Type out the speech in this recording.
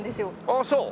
ああそう。